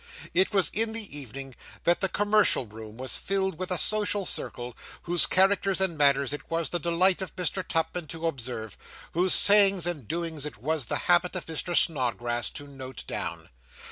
It was in the evening that the 'commercial room' was filled with a social circle, whose characters and manners it was the delight of Mr. Tupman to observe; whose sayings and doings it was the habit of Mr. Snodgrass to note down.